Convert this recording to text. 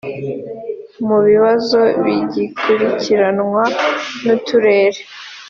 mu bibazo bigikurikiranwa n’uturere